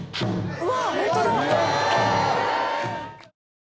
「うわ！」